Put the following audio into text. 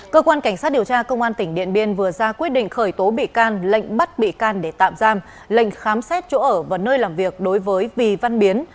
cơ quan cảnh sát điều tra công an tỉnh điện biên vừa ra quyết định khởi tố bị can lệnh bắt bị can để tạm giam lệnh khám xét chỗ ở và nơi làm việc đối với vì văn biến